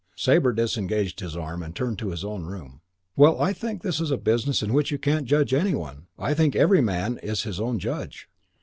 Sabre disengaged his arm and turned into his own room. "Well, I think this is a business in which you can't judge any one. I think every man is his own judge."